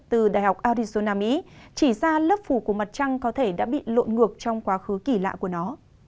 từ đại học arizona mỹ chỉ ra lớp phủ của mặt trăng có thể đã bị lộn ngược trong quá khứ kỳ lạ của nó